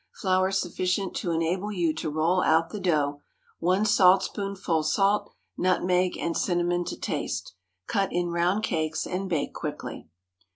Flour sufficient to enable you to roll out the dough. 1 saltspoonful salt. Nutmeg and cinnamon to taste. Cut in round cakes and bake quickly.